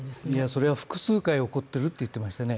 それは複数回起こっていると言っていましたね。